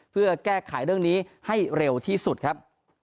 เพื่อแก้ไขเรื่องนี้ให้เร็วที่สุดครับ